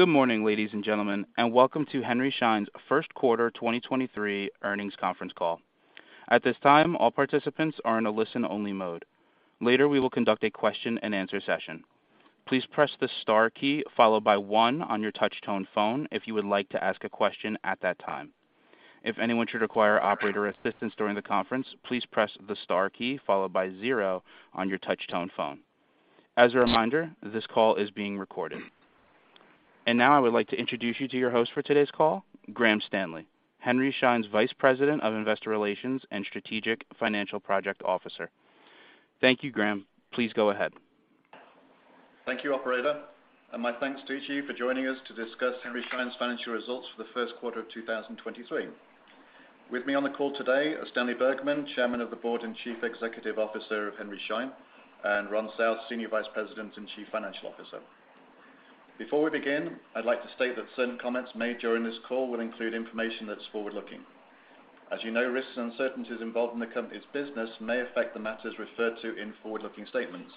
Good morning, ladies and gentlemen, and welcome to Henry Schein's first quarter 2023 earnings conference call. At this time, all participants are in a listen-only mode. Later, we will conduct a question-and-answer session. Please press the star key followed by one on your touch tone phone if you would like to ask a question at that time. If anyone should require operator assistance during the conference, please press the star key followed by zero on your touch tone phone. As a reminder, this call is being recorded. Now I would like to introduce you to your host for today's call, Graham Stanley, Henry Schein's Vice President of Investor Relations and Strategic Financial Project Officer. Thank you, Graham. Please go ahead. Thank you, operator, and my thanks to each of you for joining us to discuss Henry Schein's financial results for the first quarter of 2023. With me on the call today are Stanley Bergman, Chairman of the Board and Chief Executive Officer of Henry Schein, and Ron South, Senior Vice President and Chief Financial Officer. Before we begin, I'd like to state that certain comments made during this call will include information that's forward-looking. As you know, risks and uncertainties involved in the company's business may affect the matters referred to in forward-looking statements.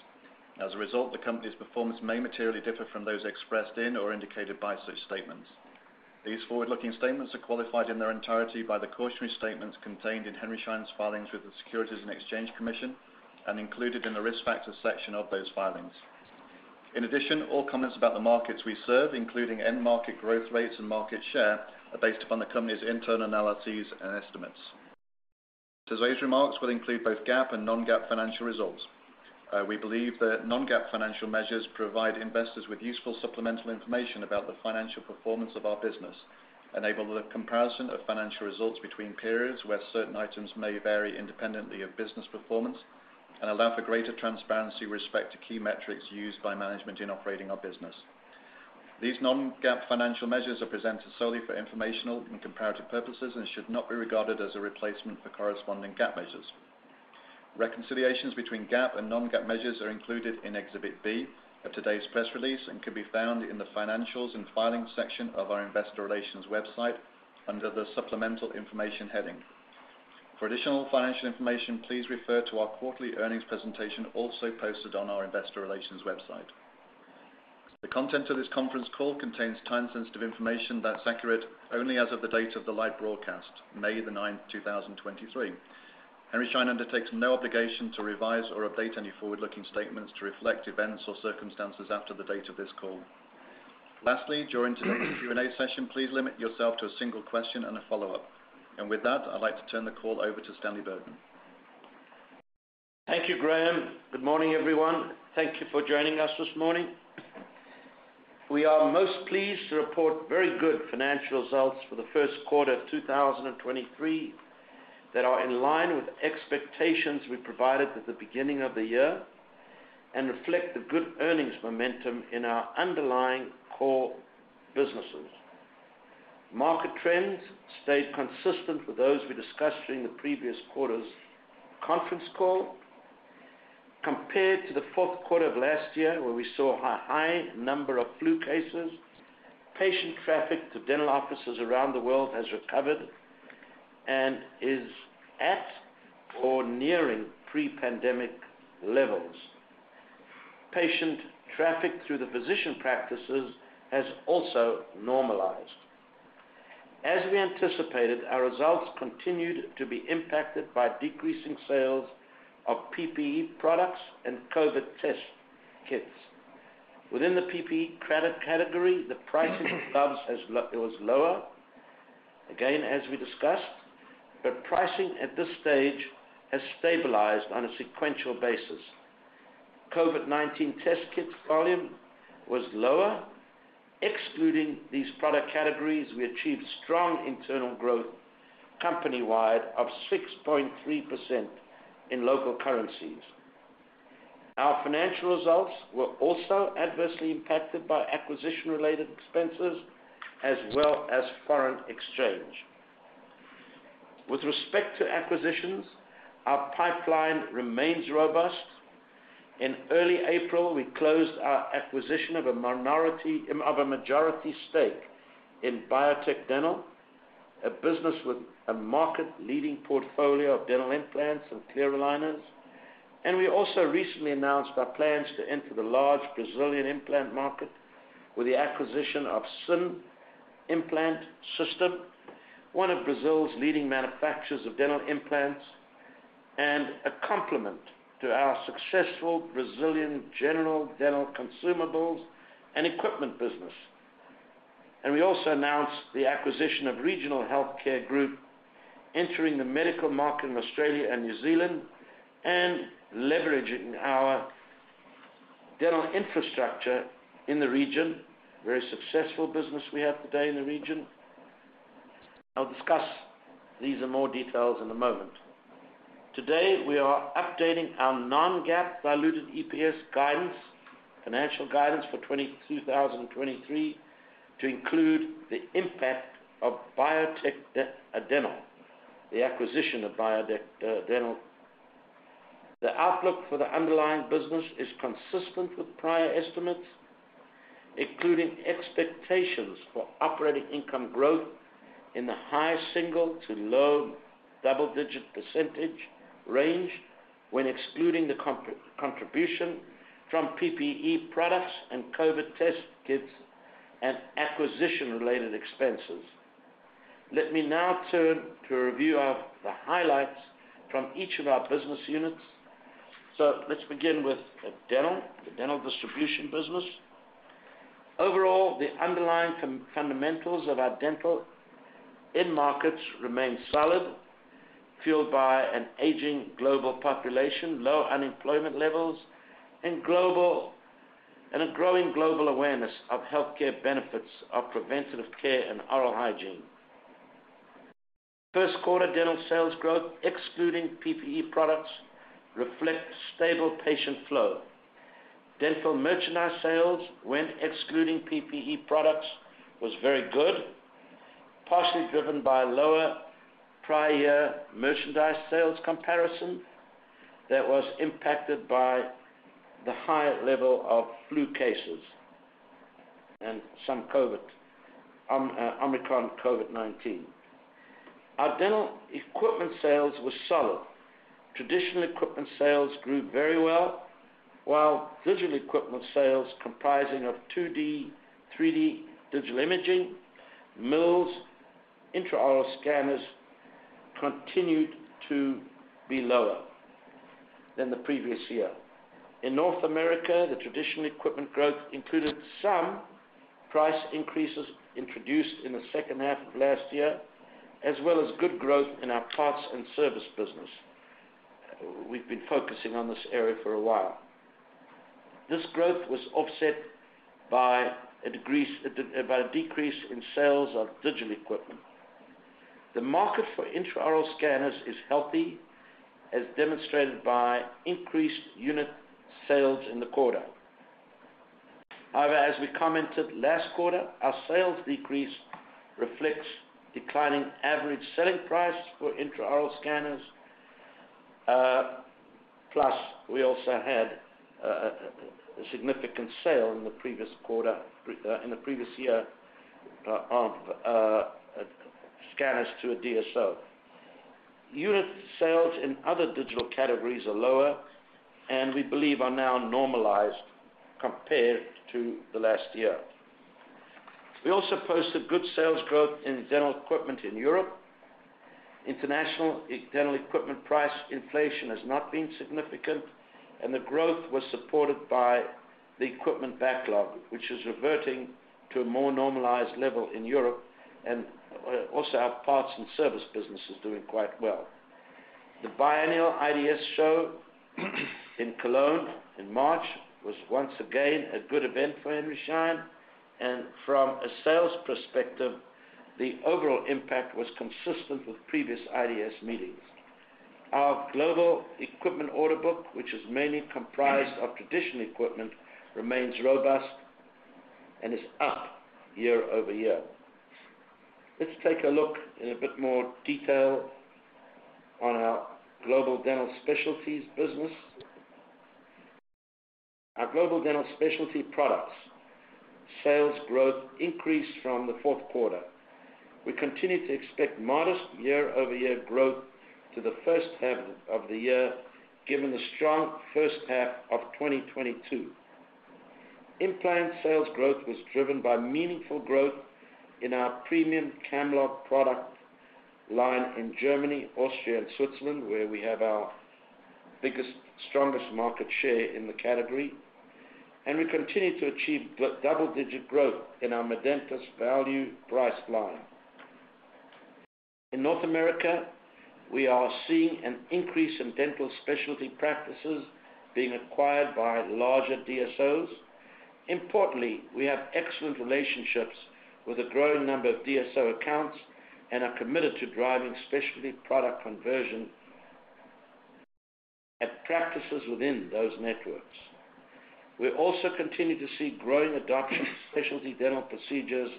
As a result, the company's performance may materially differ from those expressed in or indicated by such statements. These forward-looking statements are qualified in their entirety by the cautionary statements contained in Henry Schein's filings with the Securities and Exchange Commission and included in the Risk Factors section of those filings. In addition, all comments about the markets we serve, including end market growth rates and market share, are based upon the company's internal analyses and estimates. Today's remarks will include both GAAP and non-GAAP financial results. We believe that non-GAAP financial measures provide investors with useful supplemental information about the financial performance of our business, enable the comparison of financial results between periods where certain items may vary independently of business performance, and allow for greater transparency with respect to key metrics used by management in operating our business. These non-GAAP financial measures are presented solely for informational and comparative purposes and should not be regarded as a replacement for corresponding GAAP measures. Reconciliations between GAAP and non-GAAP measures are included in Exhibit B of today's press release and can be found in the Financials and Filings section of our Investor Relations website under the Supplemental Information heading. For additional financial information, please refer to our quarterly earnings presentation also posted on our Investor Relations website. The content of this conference call contains time-sensitive information that's accurate only as of the date of the live broadcast, May 9, 2023. Henry Schein undertakes no obligation to revise or update any forward-looking statements to reflect events or circumstances after the date of this call. Lastly, during today's Q&A session, please limit yourself to a single question and a follow-up. With that, I'd like to turn the call over to Stanley Bergman. Thank you, Graham. Good morning, everyone. Thank you for joining us this morning. We are most pleased to report very good financial results for the first quarter of 2023 that are in line with expectations we provided at the beginning of the year and reflect the good earnings momentum in our underlying core businesses. Market trends stayed consistent with those we discussed during the previous quarter's conference call. Compared to the fourth quarter of last year, where we saw a high number of flu cases, patient traffic to dental offices around the world has recovered and is at or nearing pre-pandemic levels. Patient traffic through the physician practices has also normalized. As we anticipated, our results continued to be impacted by decreasing sales of PPE products and COVID test kits. Within the PPE credit category, the pricing of gloves was lower, again, as we discussed, but pricing at this stage has stabilized on a sequential basis. COVID-19 test kits volume was lower. Excluding these product categories, we achieved strong internal growth company-wide of 6.3% in local currencies. Our financial results were also adversely impacted by acquisition-related expenses as well as foreign exchange. With respect to acquisitions, our pipeline remains robust. In early April, we closed our acquisition of a majority stake in Biotech Dental, a business with a market-leading portfolio of dental implants and clear aligners. We also recently announced our plans to enter the large Brazilian implant market with the acquisition of S.I.N. Implant System, one of Brazil's leading manufacturers of dental implants, and a complement to our successful Brazilian general dental consumables and equipment business. We also announced the acquisition of Regional Health Care Group, entering the medical market in Australia and New Zealand and leveraging our dental infrastructure in the region. Very successful business we have today in the region. I'll discuss these in more details in a moment. Today, we are updating our non-GAAP diluted EPS guidance, financial guidance for 2023 to include the impact of Biotech Dental, the acquisition of Biotech Dental. The outlook for the underlying business is consistent with prior estimates, including expectations operating income growth in the high single- to low double-digit percentage range when excluding the contribution from PPE products and COVID test kits and acquisition-related expenses. Let me now turn to a review of the highlights from each of our business units. Let's begin with dental, the dental distribution business. Overall, the underlying fundamentals of our dental end markets remain solid, fueled by an aging global population, low unemployment levels, a growing global awareness of healthcare benefits of preventative care and oral hygiene. First quarter dental sales growth, excluding PPE products, reflect stable patient flow. Dental merchandise sales, when excluding PPE products, was very good, partially driven by lower prior merchandise sales comparison that was impacted by the high level of flu cases and some COVID, Omicron COVID-19. Our dental equipment sales were solid. Traditional equipment sales grew very well, while digital equipment sales comprising of 2D, 3D digital imaging, mills, intraoral scanners continued to be lower than the previous year. In North America, the traditional equipment growth included some price increases introduced in the second half of last year, as well as good growth in our parts and service business. We've been focusing on this area for a while. This growth was offset by a decrease in sales of digital equipment. The market for intraoral scanners is healthy, as demonstrated by increased unit sales in the quarter. As we commented last quarter, our sales decrease reflects declining average selling price for intraoral scanners, plus we also had a significant sale in the previous quarter, in the previous year, of scanners to a DSO. Unit sales in other digital categories are lower, we believe are now normalized compared to the last year. We also posted good sales growth in dental equipment in Europe. International dental equipment price inflation has not been significant, the growth was supported by the equipment backlog, which is reverting to a more normalized level in Europe. Also our parts and service business is doing quite well. The biannual IDS show in Cologne in March was once again a good event for Henry Schein, and from a sales perspective, the overall impact was consistent with previous IDS meetings. Our global equipment order book, which is mainly comprised of traditional equipment, remains robust and is up year-over-year. Let's take a look in a bit more detail on our global dental specialties business. Our global dental specialty products sales growth increased from the fourth quarter. We continue to expect modest year-over-year growth to the first half of the year, given the strong first half of 2022. Implant sales growth was driven by meaningful growth in our premium CAMLOG product line in Germany, Austria, and Switzerland, where we have our biggest, strongest market share in the category. We continue to achieve double-digit growth in our medentis value price line. In North America, we are seeing an increase in dental specialty practices being acquired by larger DSOs. Importantly, we have excellent relationships with a growing number of DSO accounts and are committed to driving specialty product conversion at practices within those networks. We also continue to see growing adoption of specialty dental procedures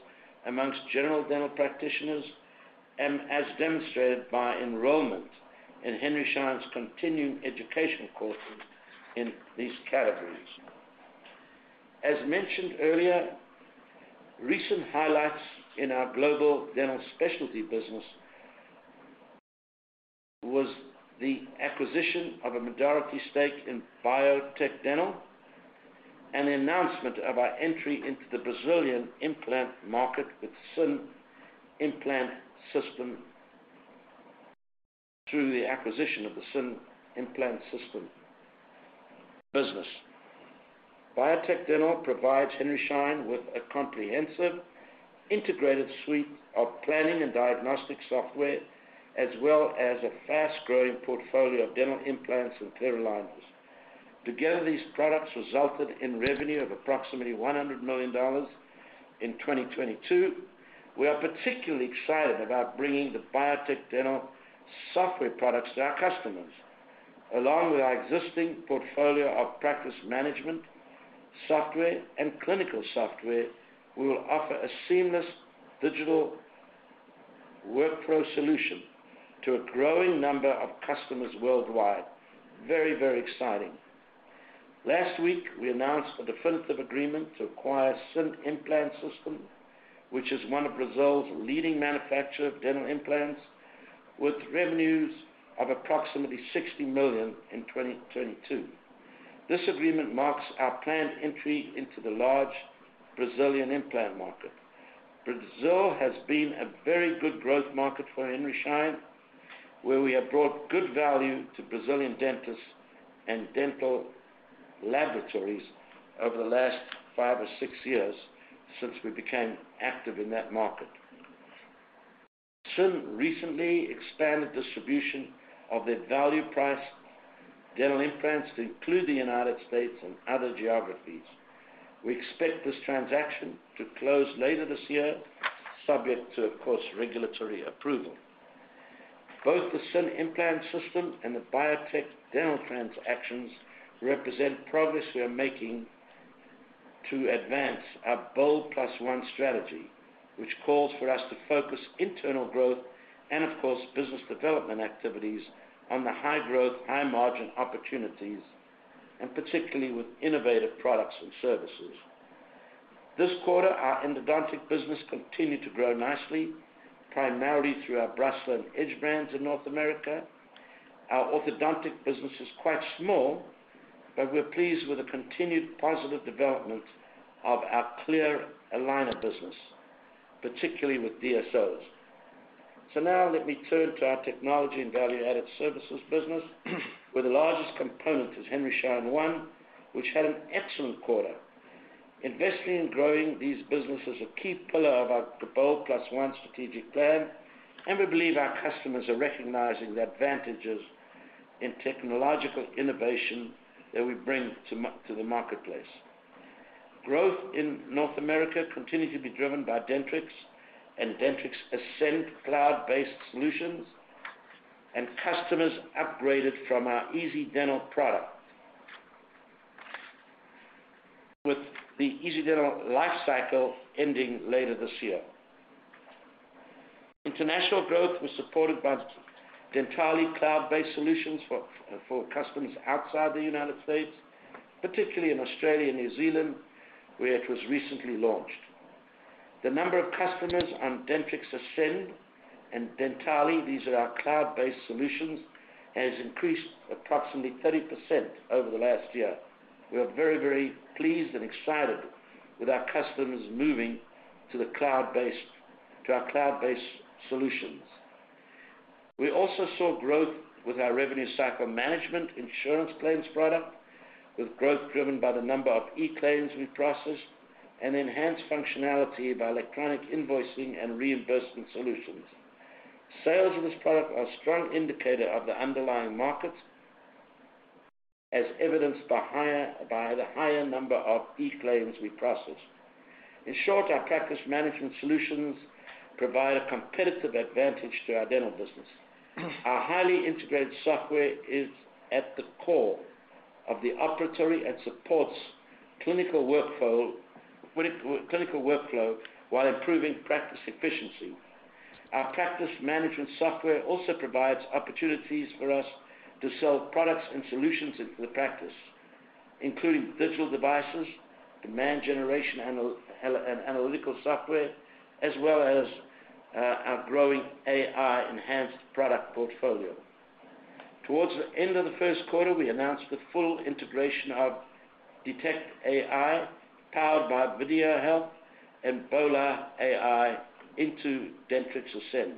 amongst general dental practitioners as demonstrated by enrollment in Henry Schein's continuing education courses in these categories. As mentioned earlier, recent highlights in our global dental specialty business was the acquisition of a majority stake in Biotech Dental and the announcement of our entry into the Brazilian implant market with S.I.N. Implant System through the acquisition of the S.I.N. Implant System business. Biotech Dental provides Henry Schein with a comprehensive, integrated suite of planning and diagnostic software, as well as a fast-growing portfolio of dental implants and clear aligners. Together, these products resulted in revenue of approximately $100 million in 2022. We are particularly excited about bringing the Biotech Dental software products to our customers. Along with our existing portfolio of practice management software and clinical software, we will offer a seamless digital workflow solution to a growing number of customers worldwide. Very, very exciting. Last week, we announced a definitive agreement to acquire S.I.N. Implant System, which is one of Brazil's leading manufacturer of dental implants, with revenues of approximately $60 million in 2022. This agreement marks our planned entry into the large Brazilian implant market. Brazil has been a very good growth market for Henry Schein, where we have brought good value to Brazilian dentists and dental laboratories over the last five or six years since we became active in that market. S.I.N. recently expanded distribution of their value-priced dental implants to include the United States and other geographies. We expect this transaction to close later this year, subject to, of course, regulatory approval. Both the S.I.N. Implant System and the Biotech Dental transactions represent progress we are making to advance our BOLD+1 strategy, which calls for us to focus internal growth and of course, business development activities on the high growth, high margin opportunities, and particularly with innovative products and services. This quarter, our endodontic business continued to grow nicely, primarily through our Brasseler and Edge brands in North America. Our orthodontic business is quite small, we're pleased with the continued positive development of our clear aligner business, particularly with DSOs. Now let me turn to our technology and value-added services business, where the largest component is Henry Schein One, which had an excellent quarter. Investing and growing these businesses, a key pillar of our BOLD+1 Strategic Plan, we believe our customers are recognizing the advantages in technological innovation that we bring to the marketplace. Growth in North America continued to be driven by Dentrix and Dentrix Ascend cloud-based solutions, customers upgraded from our Easy Dental product. With the Easy Dental lifecycle ending later this year. International growth was supported by Dentally cloud-based solutions for customers outside the United States, particularly in Australia and New Zealand, where it was recently launched. The number of customers on Dentrix Ascend and Dentally, these are our cloud-based solutions, has increased approximately 30% over the last year. We are very pleased and excited with our customers moving to our cloud-based solutions. We also saw growth with our revenue cycle management insurance claims product, with growth driven by the number of e-claims we processed and enhanced functionality by electronic invoicing and reimbursement solutions. Sales of this product are a strong indicator of the underlying market, as evidenced by the higher number of e-claims we processed. In short, our practice management solutions provide a competitive advantage to our dental business. Our highly integrated software is at the core of the operatory and supports clinical workflow while improving practice efficiency. Our practice management software also provides opportunities for us to sell products and solutions into the practice, including digital devices, demand generation analytical software, as well as, our growing AI-enhanced product portfolio. Towards the end of the first quarter, we announced the full integration of Detect AI, powered by VideaHealth and Bola AI into Dentrix Ascend.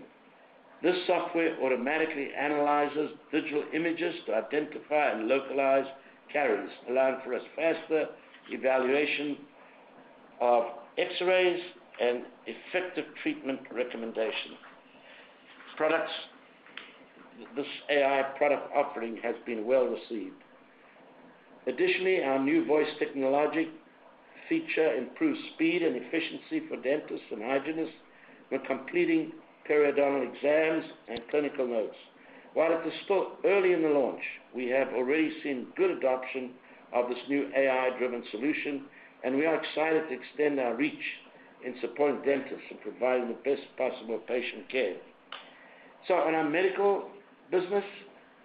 This software automatically analyzes digital images to identify and localize caries, allowing for as faster evaluation of X-rays and effective treatment recommendation. This AI product offering has been well received. Additionally, our new voice technology feature improves speed and efficiency for dentists and hygienists when completing periodontal exams and clinical notes. While it is still early in the launch, we have already seen good adoption of this new AI-driven solution, and we are excited to extend our reach in supporting dentists in providing the best possible patient care. In our medical business,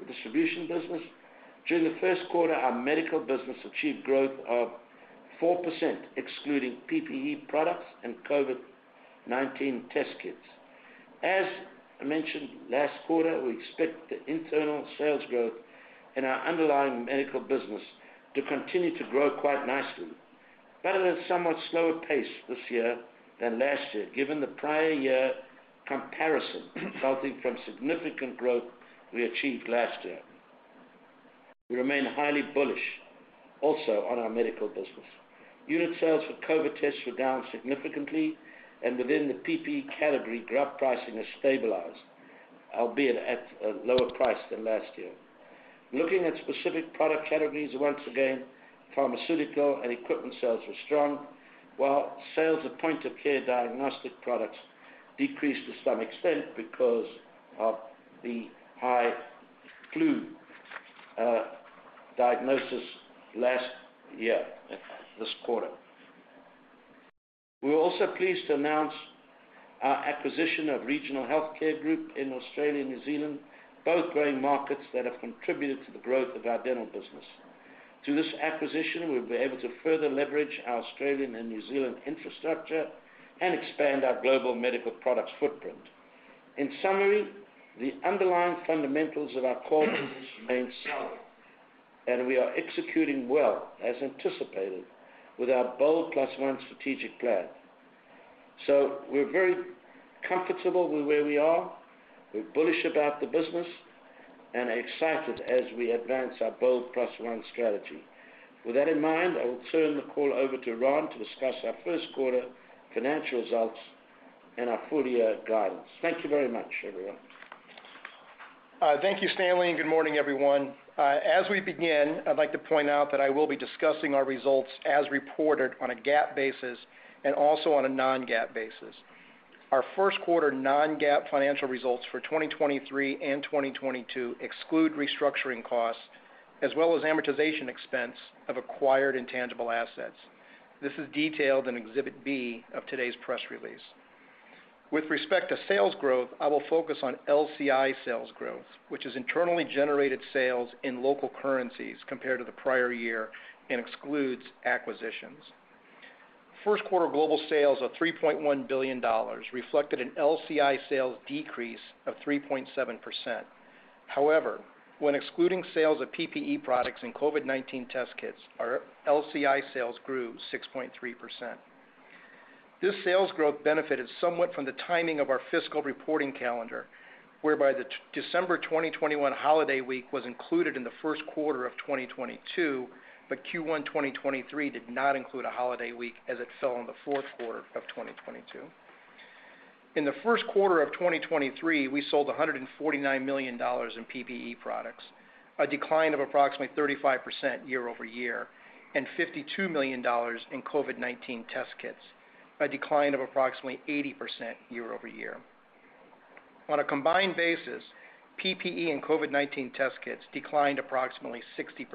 the distribution business, during the first quarter, our medical business achieved growth of 4%, excluding PPE products and COVID-19 test kits. As I mentioned last quarter, we expect the internal sales growth in our underlying medical business to continue to grow quite nicely, but at a somewhat slower pace this year than last year, given the prior year comparison resulting from significant growth we achieved last year. We remain highly bullish also on our medical business. Unit sales for COVID tests were down significantly, and within the PPE category growth pricing has stabilized, albeit at a lower price than last year. Looking at specific product categories, once again, pharmaceutical and equipment sales were strong, while sales of point of care diagnostic products decreased to some extent because of the high flu diagnosis last year, this quarter. We're also pleased to announce our acquisition of Regional Health Care Group in Australia and New Zealand, both growing markets that have contributed to the growth of our dental business. Through this acquisition, we'll be able to further leverage our Australian and New Zealand infrastructure and expand our global medical products footprint. In summary, the underlying fundamentals of our core business remains solid, and we are executing well, as anticipated, with our BOLD+1 Strategic Plan. We're very comfortable with where we are. We're bullish about the business and excited as we advance our BOLD+1 strategy. With that in mind, I will turn the call over to Ron to discuss our first quarter financial results and our full year guidance. Thank you very much, everyone. Thank you, Stanley, and good morning, everyone. As we begin, I'd like to point out that I will be discussing our results as reported on a GAAP basis and also on a non-GAAP basis. Our first quarter non-GAAP financial results for 2023 and 2022 exclude restructuring costs as well as amortization expense of acquired intangible assets. This is detailed in Exhibit B of today's press release. With respect to sales growth, I will focus on LCI sales growth, which is internally generated sales in local currencies compared to the prior year and excludes acquisitions. First quarter global sales of $3.1 billion reflected an LCI sales decrease of 3.7%. However, when excluding sales of PPE products and COVID-19 test kits, our LCI sales grew 6.3%. This sales growth benefited somewhat from the timing of our fiscal reporting calendar, whereby the December 2021 holiday week was included in the first quarter of 2022, but Q1 2023 did not include a holiday week as it fell in the fourth quarter of 2022. In the first quarter of 2023, we sold $149 million in PPE products, a decline of approximately 35% year-over-year, and $52 million in COVID-19 test kits, a decline of approximately 80% year-over-year. On a combined basis, PPE and COVID-19 test kits declined approximately 60%.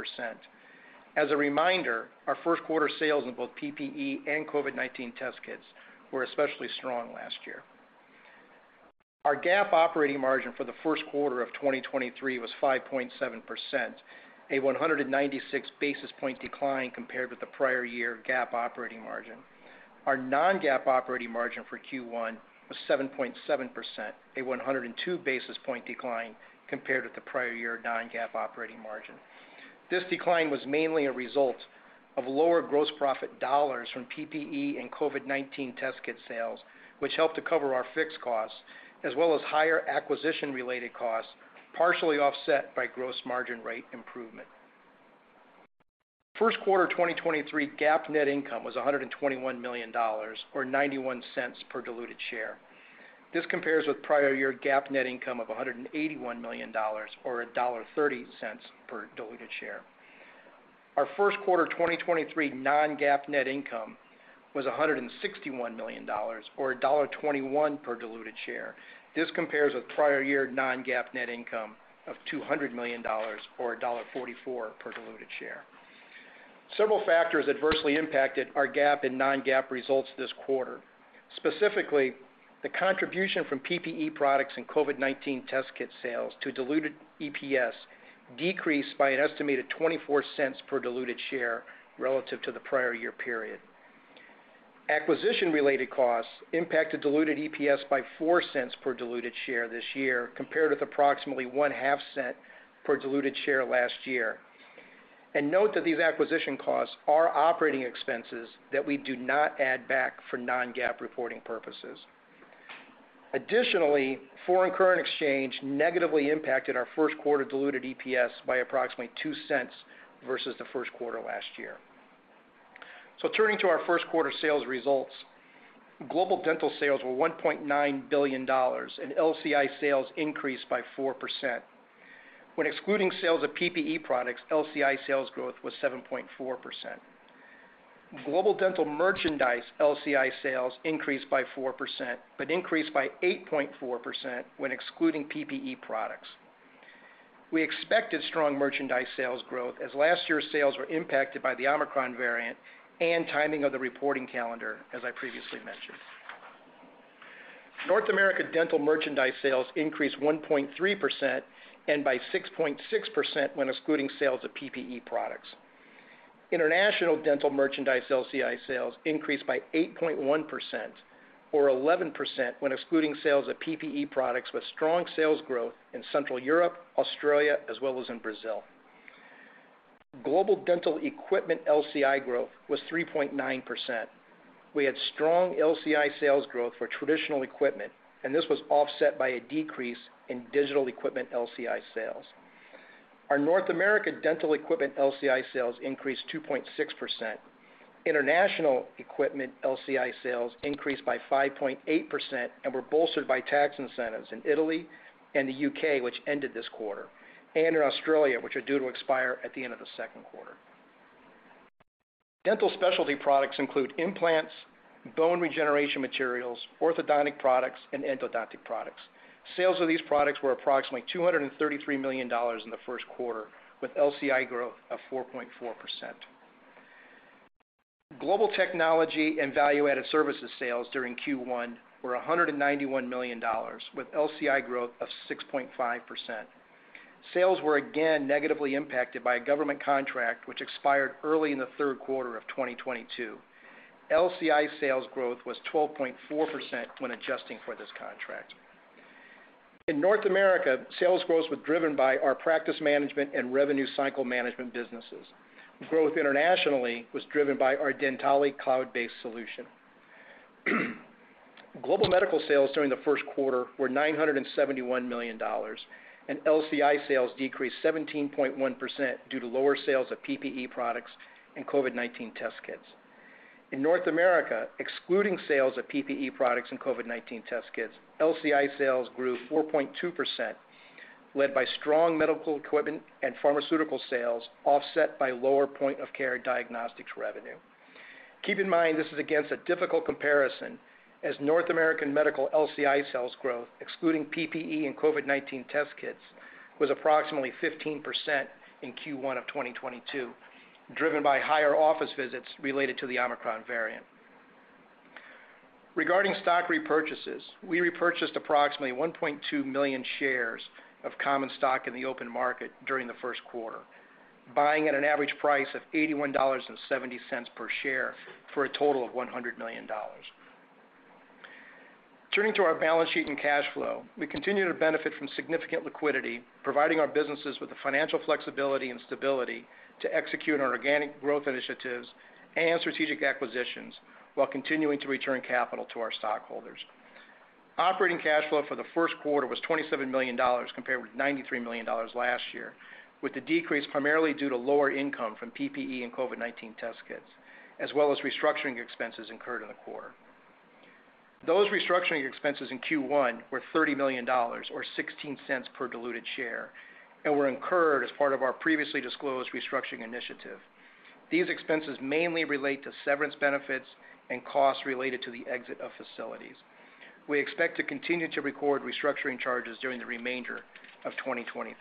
As a reminder, our first quarter sales in both PPE and COVID-19 test kits were especially strong last year. Our GAAP operating margin for the first quarter of 2023 was 5.7%, a 196 basis point decline compared with the prior year GAAP operating margin. Our non-GAAP operating margin for Q1 was 7.7%, a 102 basis point decline compared with the prior year non-GAAP operating margin. This decline was mainly a result of lower gross profit dollars from PPE and COVID-19 test kit sales, which helped to cover our fixed costs, as well as higher acquisition-related costs, partially offset by gross margin rate improvement. First quarter 2023 GAAP net income was $121 million or $0.91 per diluted share. This compares with prior year GAAP net income of $181 million or $1.30 per diluted share. Our first quarter 2023 non-GAAP net income was $161 million or $1.21 per diluted share. This compares with prior-year non-GAAP net income of $200 million or $1.44 per diluted share. Several factors adversely impacted our GAAP and non-GAAP results this quarter. Specifically, the contribution from PPE products and COVID-19 test kit sales to diluted EPS decreased by an estimated $0.24 per diluted share relative to the prior-year period. Acquisition related costs impacted diluted EPS by $0.04 per diluted share this year, compared with approximately one half cent per diluted share last year. Note that these acquisition costs are operating expenses that we do not add back for non-GAAP reporting purposes. Additionally, foreign current exchange negatively impacted our first quarter diluted EPS by approximately $0.02 versus the first quarter last year. Turning to our first quarter sales results, global dental sales were $1.9 billion and LCI sales increased by 4%. When excluding sales of PPE products, LCI sales growth was 7.4%. Global dental merchandise LCI sales increased by 4%, but increased by 8.4% when excluding PPE products. We expected strong merchandise sales growth as last year's sales were impacted by the Omicron variant and timing of the reporting calendar, as I previously mentioned. North America dental merchandise sales increased 1.3% and by 6.6% when excluding sales of PPE products. International dental merchandise LCI sales increased by 8.1% or 11% when excluding sales of PPE products with strong sales growth in Central Europe, Australia, as well as in Brazil. Global dental equipment LCI growth was 3.9%. We had strong LCI sales growth for traditional equipment, this was offset by a decrease in digital equipment LCI sales. Our North America dental equipment LCI sales increased 2.6%. International equipment LCI sales increased by 5.8% and were bolstered by tax incentives in Italy and the U.K., which ended this quarter, and in Australia, which are due to expire at the end of the second quarter. Dental specialty products include implants-Bone regeneration materials, orthodontic products, and endodontic products. Sales of these products were approximately $233 million in the first quarter, with LCI growth of 4.4%. Global technology and value-added services sales during Q1 were $191 million, with LCI growth of 6.5%. Sales were again negatively impacted by a government contract which expired early in the third quarter of 2022. LCI sales growth was 12.4% when adjusting for this contract. In North America, sales growth was driven by our practice management and revenue cycle management businesses. Growth internationally was driven by our Dentally cloud-based solution. Global medical sales during the first quarter were $971 million, and LCI sales decreased 17.1% due to lower sales of PPE products and COVID-19 test kits. In North America, excluding sales of PPE products and COVID-19 test kits, LCI sales grew 4.2%, led by strong medical equipment and pharmaceutical sales, offset by lower point of care diagnostics revenue. Keep in mind, this is against a difficult comparison as North American medical LCI sales growth, excluding PPE and COVID-19 test kits, was approximately 15% in Q1 of 2022, driven by higher office visits related to the Omicron variant. Regarding stock repurchases, we repurchased approximately 1.2 million shares of common stock in the open market during the first quarter, buying at an average price of $81.70 per share for a total of $100 million. Turning to our balance sheet and cash flow, we continue to benefit from significant liquidity, providing our businesses with the financial flexibility and stability to execute on our organic growth initiatives and strategic acquisitions while continuing to return capital to our stockholders. Operating cash flow for the first quarter was $27 million, compared with $93 million last year, with the decrease primarily due to lower income from PPE and COVID-19 test kits, as well as restructuring expenses incurred in the quarter. Those restructuring expenses in Q1 were $30 million or $0.16 per diluted share and were incurred as part of our previously disclosed restructuring initiative. These expenses mainly relate to severance benefits and costs related to the exit of facilities. We expect to continue to record restructuring charges during the remainder of 2023.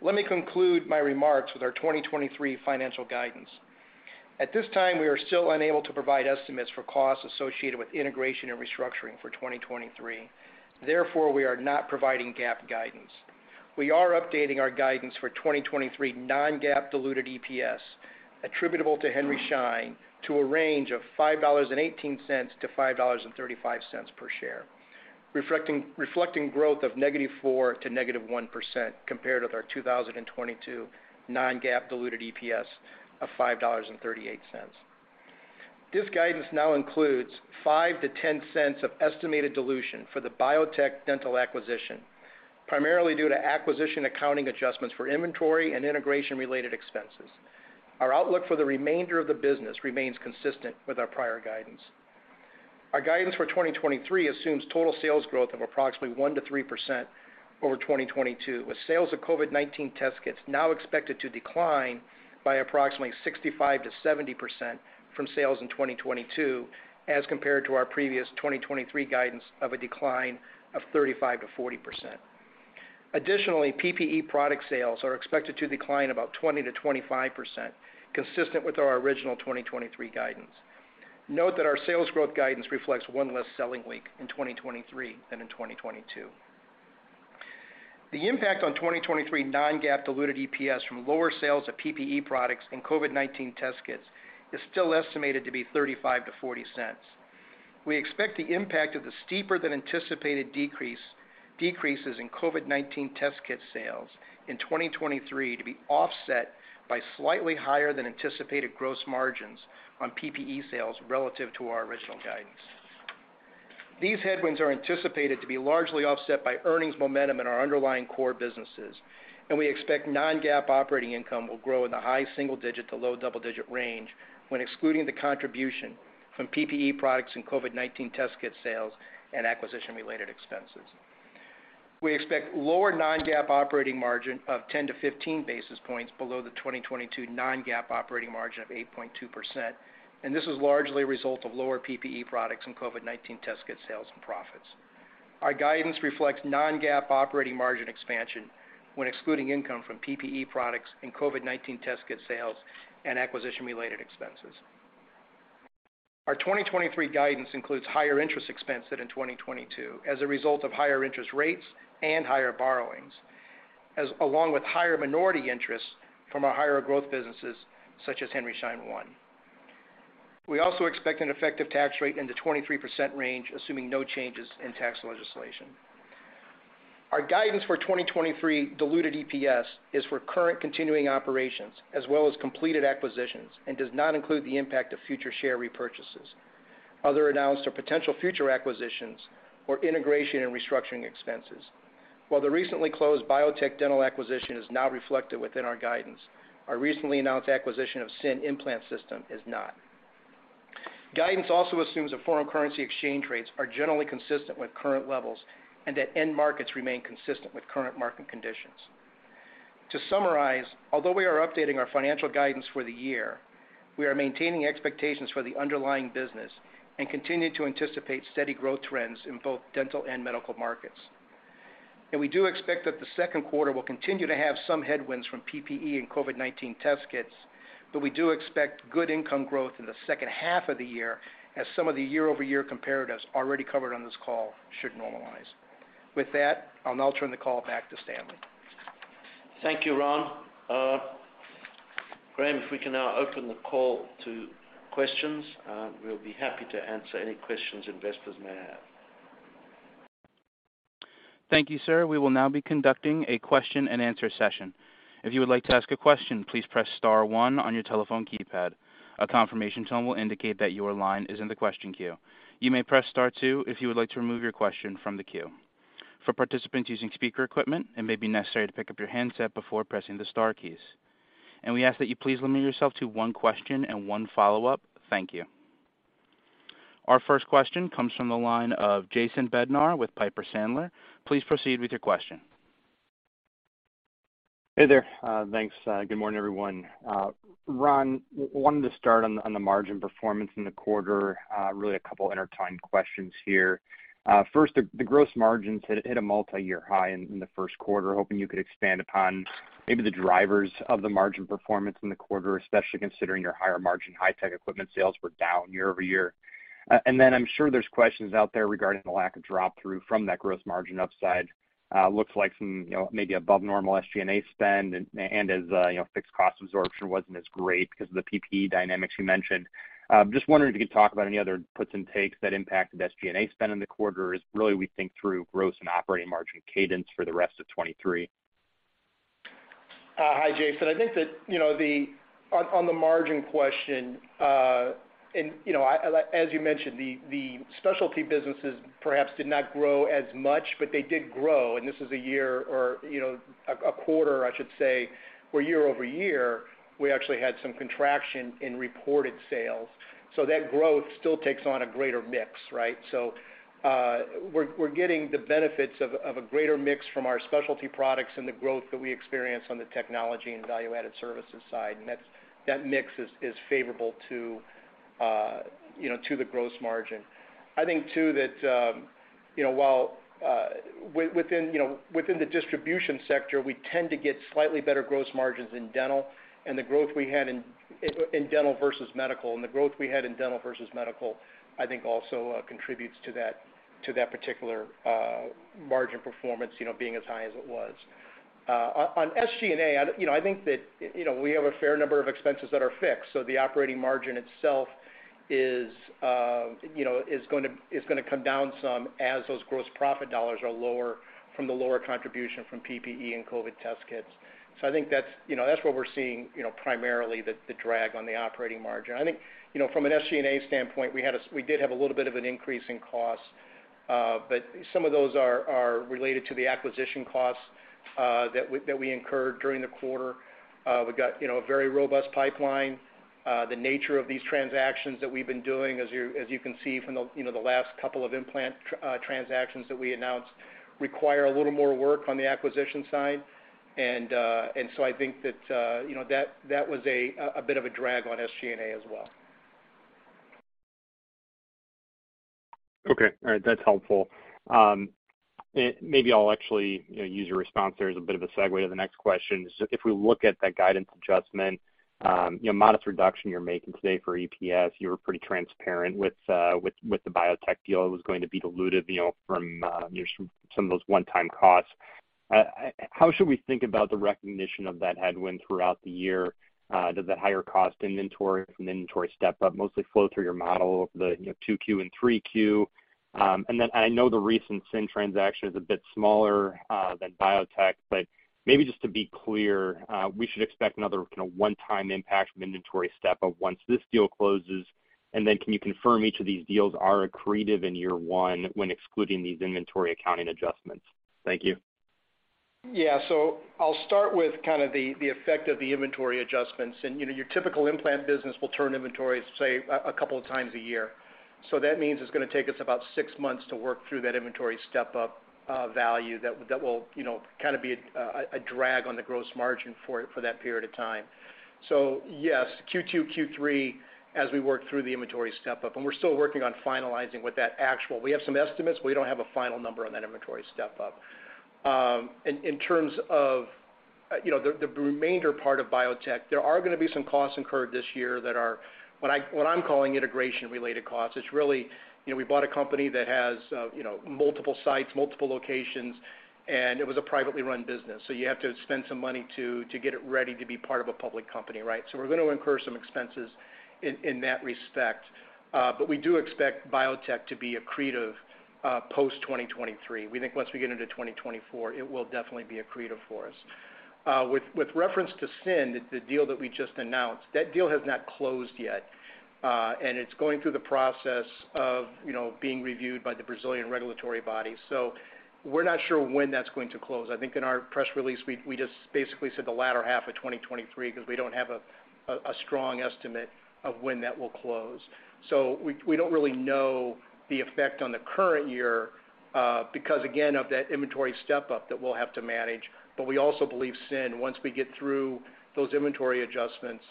Let me conclude my remarks with our 2023 financial guidance. At this time, we are still unable to provide estimates for costs associated with integration and restructuring for 2023. Therefore, we are not providing GAAP guidance. We are updating our guidance for 2023 non-GAAP diluted EPS attributable to Henry Schein to a range of $5.18-$5.35 per share, reflecting growth of negative 4%-negative 1% compared with our 2022 non-GAAP diluted EPS of $5.38. This guidance now includes $0.05-$0.10 of estimated dilution for the Biotech Dental acquisition, primarily due to acquisition accounting adjustments for inventory and integration related expenses. Our outlook for the remainder of the business remains consistent with our prior guidance. Our guidance for 2023 assumes total sales growth of approximately 1%-3% over 2022, with sales of COVID-19 test kits now expected to decline by approximately 65%-70% from sales in 2022 as compared to our previous 2023 guidance of a decline of 35%-40%. Additionally, PPE product sales are expected to decline about 20%-25%, consistent with our original 2023 guidance. Note that our sales growth guidance reflects one less selling week in 2023 than in 2022. The impact on 2023 non-GAAP diluted EPS from lower sales of PPE products and COVID-19 test kits is still estimated to be $0.35-$0.40. We expect the impact of the steeper than anticipated decreases in COVID-19 test kit sales in 2023 to be offset by slightly higher than anticipated gross margins on PPE sales relative to our original guidance. These headwinds are anticipated to be largely offset by earnings momentum in our underlying core businesses. We expect non-GAAP operating income will grow in the high single digit to low double-digit range when excluding the contribution from PPE products and COVID-19 test kit sales and acquisition related expenses. We expect lower non-GAAP operating margin of 10-15 basis points below the 2022 non-GAAP operating margin of 8.2%. This is largely a result of lower PPE products and COVID-19 test kit sales and profits. Our guidance reflects non-GAAP operating margin expansion when excluding income from PPE products and COVID-19 test kit sales and acquisition related expenses. Our 2023 guidance includes higher interest expense than in 2022 as along with higher minority interests from our higher growth businesses such as Henry Schein One. We also expect an effective tax rate in the 23% range, assuming no changes in tax legislation. Our guidance for 2023 diluted EPS is for current continuing operations as well as completed acquisitions and does not include the impact of future share repurchases, other announced or potential future acquisitions or integration and restructuring expenses. While the recently closed Biotech Dental acquisition is now reflected within our guidance, our recently announced acquisition of S.I.N. Implant System is not. Guidance also assumes that foreign currency exchange rates are generally consistent with current levels and that end markets remain consistent with current market conditions. To summarize, although we are updating our financial guidance for the year, we are maintaining expectations for the underlying business and continue to anticipate steady growth trends in both dental and medical markets. We do expect that the second quarter will continue to have some headwinds from PPE and COVID-19 test kits, but we do expect good income growth in the second half of the year as some of the year-over-year comparatives already covered on this call should normalize. With that, I'll now turn the call back to Stanley. Thank you, Ron. Graham, if we can now open the call to questions, we'll be happy to answer any questions investors may have. Thank you, sir. We will now be conducting a question-and-answer session. If you would like to ask a question, please press star one on your telephone keypad. A confirmation tone will indicate that your line is in the question queue. You may press star two if you would like to remove your question from the queue. For participants using speaker equipment, it may be necessary to pick up your handset before pressing the star keys. We ask that you please limit yourself to one question and one follow-up. Thank you. Our first question comes from the line of Jason Bednar with Piper Sandler. Please proceed with your question. Hey there. Thanks. Good morning, everyone. Ron, wanted to start on the margin performance in the quarter, really a couple inter-timed questions here. First, the gross margins hit a multiyear high in the first quarter. Hoping you could expand upon maybe the drivers of the margin performance in the quarter, especially considering your higher margin high-tech equipment sales were down year-over-year. I'm sure there's questions out there regarding the lack of drop-through from that gross margin upside. Looks like some, you know, maybe above normal SG&A spend and as, you know, fixed cost absorption wasn't as great because of the PPE dynamics you mentioned. Just wondering if you could talk about any other puts and takes that impacted SG&A spend in the quarter as really we think through gross and operating margin cadence for the rest of 2023? Hi, Jason. I think that, you know, on the margin question, and, you know, I, as you mentioned, the specialty businesses perhaps did not grow as much, but they did grow, and this is a year or, you know, a quarter, I should say, where year-over-year, we actually had some contraction in reported sales. That growth still takes on a greater mix, right? We're getting the benefits of a greater mix from our specialty products and the growth that we experience on the technology and value-added services side, and that mix is favorable to, you know, to the gross margin. I think too that, you know, while, you know, within the distribution sector, we tend to get slightly better gross margins in dental and the growth we had in dental versus medical, and the growth we had in dental versus medical, I think, also, contributes to that particular margin performance, you know, being as high as it was. On SG&A, I, you know, I think that, you know, we have a fair number of expenses that are fixed, so the operating margin itself is, you know, is gonna come down some as those gross profit dollars are lower from the lower contribution from PPE and COVID test kits. I think that's, you know, that's what we're seeing, you know, primarily the drag on the operating margin. I think, you know, from an SG&A standpoint, we did have a little bit of an increase in costs, but some of those are related to the acquisition costs that we incurred during the quarter. We've got, you know, a very robust pipeline. The nature of these transactions that we've been doing, as you, as you can see from the, you know, the last couple of implant transactions that we announced, require a little more work on the acquisition side. I think that, you know, that was a bit of a drag on SG&A as well. Okay. All right. That's helpful. Maybe I'll actually, you know, use your response there as a bit of a segue to the next question. If we look at that guidance adjustment, you know, modest reduction you're making today for EPS, you were pretty transparent with the Biotech deal. It was going to be dilutive, you know, from, you know, some of those one-time costs. How should we think about the recognition of that headwind throughout the year? Does that higher cost inventory from the inventory step-up mostly flow through your model, the, you know, 2Q and 3Q? I know the recent S.I.N. transaction is a bit smaller than Biotech, but maybe just to be clear, we should expect another kinda one-time impact from inventory step-up once this deal closes. Can you confirm each of these deals are accretive in year one when excluding these inventory accounting adjustments? Thank you. I'll start with kind of the effect of the inventory adjustments. You know, your typical implant business will turn inventory, say, a couple of times a year. That means it's gonna take us about six months to work through that inventory step-up, value that will, you know, kinda be a drag on the gross margin for that period of time. Yes, Q2, Q3 as we work through the inventory step-up, and we're still working on finalizing what that actual. We have some estimates, but we don't have a final number on that inventory step-up. In terms of, you know, the remainder part of Biotech, there are gonna be some costs incurred this year that are what I'm calling integration-related costs. It's really, you know, we bought a company that has, you know, multiple sites, multiple locations, and it was a privately run business, you have to spend some money to get it ready to be part of a public company, right? We're gonna incur some expenses in that respect. But we do expect Biotech to be accretive, post 2023. We think once we get into 2024, it will definitely be accretive for us. With, with reference to S.I.N., the deal that we just announced, that deal has not closed yet, and it's going through the process of, you know, being reviewed by the Brazilian regulatory body. We're not sure when that's going to close. I think in our press release, we just basically said the latter half of 2023 because we don't have a strong estimate of when that will close. We don't really know the effect on the current year because again, of that inventory step-up that we'll have to manage. We also believe S.I.N., once we get through those inventory adjustments,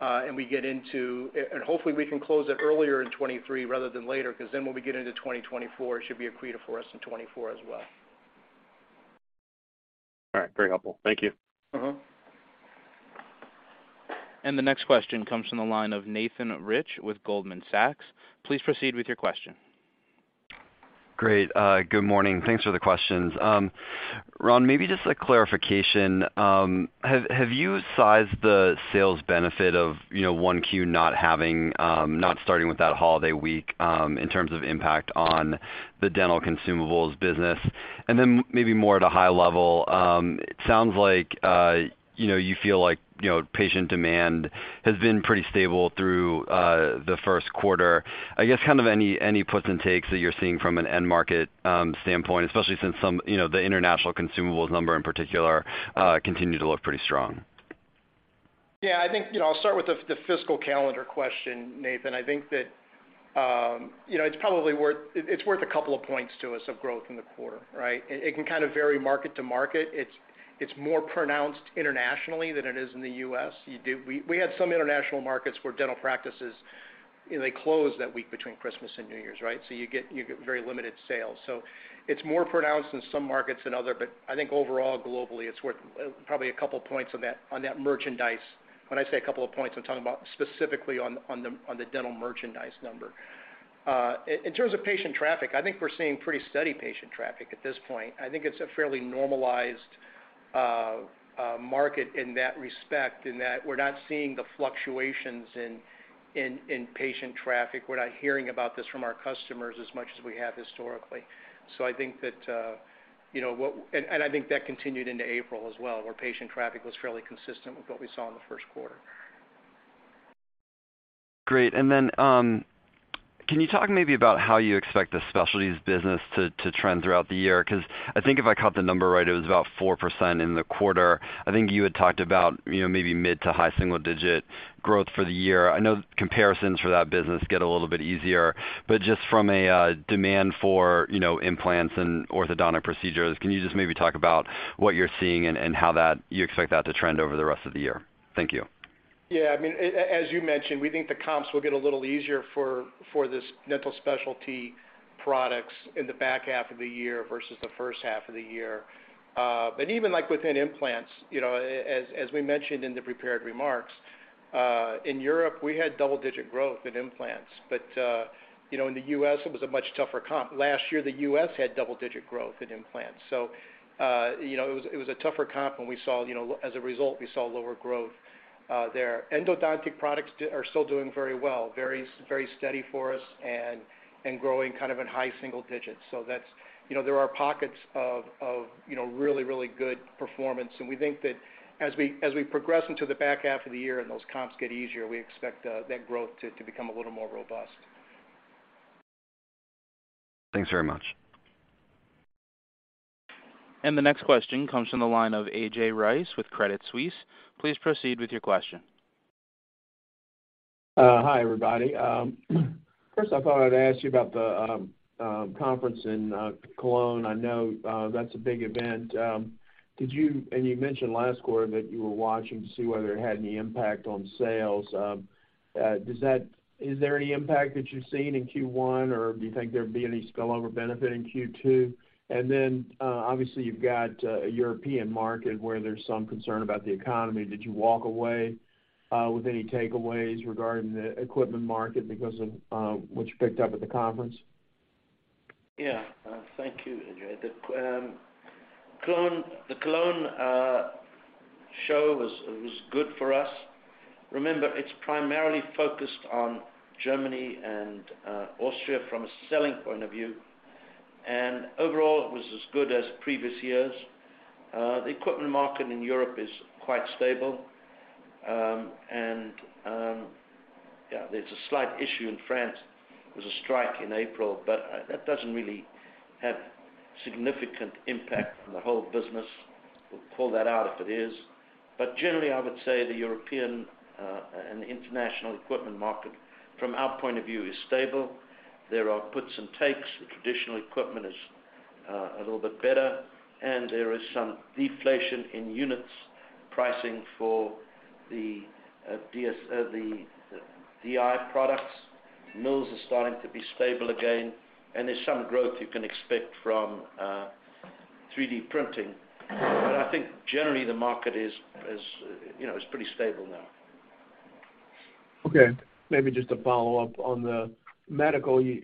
and hopefully we can close it earlier in 2023 rather than later, 'cause then when we get into 2024, it should be accretive for us in 2024 as well'. All right. Very helpful. Thank you. Mm-hmm. The next question comes from the line of Nathan Rich with Goldman Sachs. Please proceed with your question. Great. Good morning. Thanks for the questions. Ron, maybe just a clarification. Have you sized the sales benefit of, you know, 1Q not having, not starting with that holiday week, in terms of impact on the dental consumables business? Maybe more at a high level, it sounds like, you know, you feel like, you know, patient demand has been pretty stable through, the 1st quarter. I guess kind of any puts and takes that you're seeing from an end market standpoint, especially since some, you know, the international consumables number, in particular, continue to look pretty strong? Yeah, I think, you know, I'll start with the fiscal calendar question, Nathan. I think that, you know, it's probably worth a couple of points to us of growth in the quarter, right? It can kind of vary market to market. It's more pronounced internationally than it is in the U.S. We had some international markets where dental practices, you know, they closed that week between Christmas and New Year's, right? You get very limited sales. It's more pronounced in some markets than other. I think overall, globally, it's worth probably a couple points on that merchandise. When I say a couple of points, I'm talking about specifically on the dental merchandise number. In terms of patient traffic, I think we're seeing pretty steady patient traffic at this point. I think it's a fairly normalized market in that respect, in that we're not seeing the fluctuations in patient traffic. We're not hearing about this from our customers as much as we have historically. I think that, you know. I think that continued into April as well, where patient traffic was fairly consistent with what we saw in the first quarter. Great. Then, can you talk maybe about how you expect the specialties business to trend throughout the year? Cause I think if I caught the number right, it was about 4% in the quarter. I think you had talked about, you know, maybe mid to high single digit growth for the year. I know comparisons for that business get a little bit easier, but just from a demand for, you know, implants and orthodontic procedures, can you just maybe talk about what you're seeing and how you expect that to trend over the rest of the year? Thank you. Yeah, I mean, as you mentioned, we think the comps will get a little easier for this dental specialty products in the back half of the year versus the first half of the year. Even like within implants, you know, as we mentioned in the prepared remarks, in Europe, we had double-digit growth in implants. In the U.S., it was a much tougher comp. Last year, the U.S. had double-digit growth in implants. It was a tougher comp, and we saw, you know, as a result, we saw lower growth there. Endodontic products are still doing very well. Very steady for us and growing kind of in high single-digits. That's, you know, there are pockets of, you know, really good performance. We think that as we progress into the back half of the year and those comps get easier, we expect that growth to become a little more robust. Thanks very much. The next question comes from the line of A.J. Rice with Credit Suisse. Please proceed with your question. Hi, everybody. First I thought I'd ask you about the conference in Cologne. I know that's a big event. You mentioned last quarter that you were watching to see whether it had any impact on sales. Is there any impact that you're seeing in Q1, or do you think there'd be any spillover benefit in Q2? Then, obviously you've got a European market where there's some concern about the economy. Did you walk away with any takeaways regarding the equipment market because of what you picked up at the conference? Yeah. Thank you, A.J. The Cologne show was good for us. Remember, it's primarily focused on Germany and Austria from a selling point of view. Overall, it was as good as previous years. The equipment market in Europe is quite stable. And, yeah, there's a slight issue in France. There was a strike in April, but that doesn't really have significant impact on the whole business. We'll pull that out if it is. Generally, I would say the European and the international equipment market from our point of view is stable. There are puts and takes. Traditional equipment is a little bit better, and there is some deflation in units pricing for the DS, the DI products. Mills are starting to be stable again. There's some growth you can expect from 3D printing. I think generally the market is, you know, is pretty stable now. Okay. Maybe just a follow-up on the medical, you,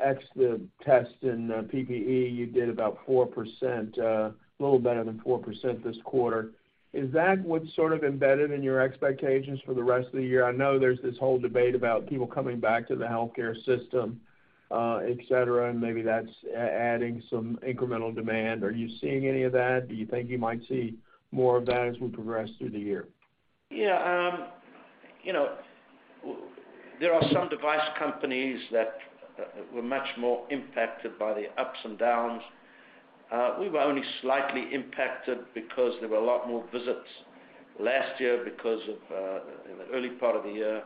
ex the test and, PPE, you did about 4%, a little better than 4% this quarter. Is that what's sort of embedded in your expectations for the rest of the year? I know there's this whole debate about people coming back to the healthcare system, et cetera, and maybe that's adding some incremental demand. Are you seeing any of that? Do you think you might see more of that as we progress through the year? You know, there are some device companies that were much more impacted by the ups and downs. We were only slightly impacted because there were a lot more visits last year because of, in the early part of the year,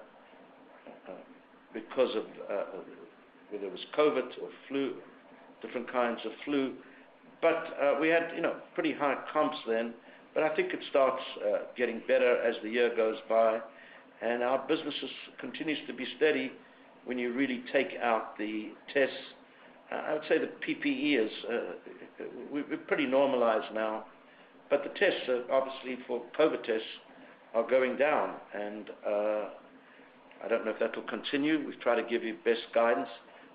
because of whether it was COVID or flu, different kinds of flu. We had, you know, pretty high comps then. I think it starts getting better as the year goes by, and our business continues to be steady when you really take out the tests. I would say the PPE is, we're pretty normalized now, but the tests are obviously for COVID tests are going down. I don't know if that will continue. We've tried to give you best guidance,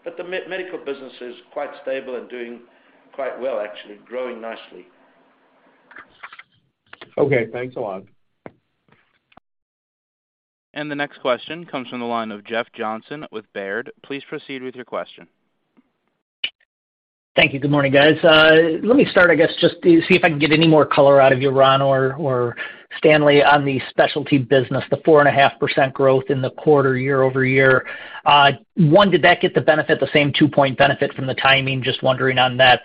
but the medical business is quite stable and doing quite well, actually. Growing nicely. Okay, thanks a lot. The next question comes from the line of Jeff Johnson with Baird. Please proceed with your question. Thank you. Good morning, guys. Let me start, I guess, just to see if I can get any more color out of you, Ron or Stanley, on the specialty business. The 4.5% growth in the quarter year-over-year. One, did that get the benefit, the same 2 point benefit from the timing?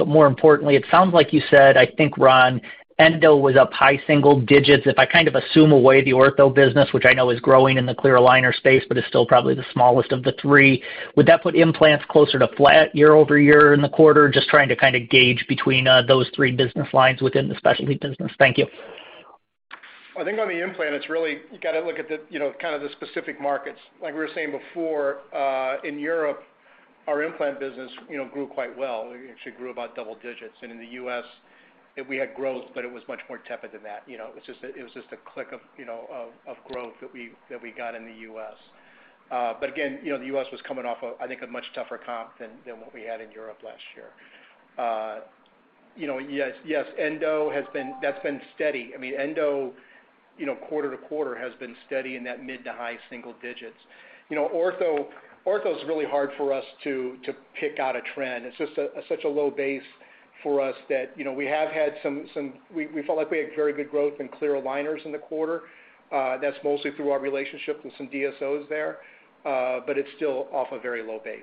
More importantly, it sounds like you said, I think, Ron, Endo was up high single digits. If I kind of assume away the ortho business, which I know is growing in the clear aligner space, but is still probably the smallest of the three, would that put implants closer to flat year-over-year in the quarter? Just trying to kind of gauge between those three business lines within the specialty business. Thank you. I think on the implant. You gotta look at the, you know, kind of the specific markets. Like we were saying before, in Europe, our implant business, you know, grew quite well. It actually grew about double digits. In the U.S., we had growth, but it was much more tepid than that. You know, it was just a click of growth that we got in the U.S. Again, you know, the U.S. was coming off, I think, a much tougher comp than what we had in Europe last year. You know, yes, that's been steady. I mean, Endo, you know, quarter-to-quarter has been steady in that mid to high single digits. You know, ortho is really hard for us to pick out a trend. It's just such a low base for us that, you know, we have had some. We felt like we had very good growth in clear aligners in the quarter. That's mostly through our relationship with some DSOs there, but it's still off a very low base.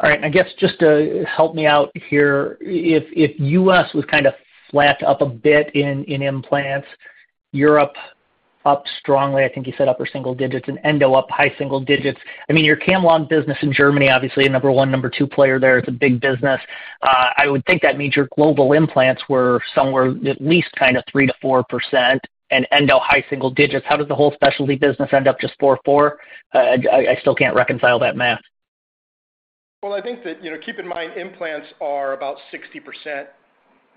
All right. I guess just to help me out here. If U.S. was kind of flat up a bit in implants, Europe up strongly, I think you said upper single-digits, and Endo up high single-digits. I mean, your CAMLOG business in Germany, obviously a number one, number two player there. It's a big business. I would think that means your global implants were somewhere at least kind of 3%-4% and Endo high single-digits. How does the whole specialty business end up just 4% or 4%? I still can't reconcile that math. Well, I think that, you know, keep in mind, implants are about 60%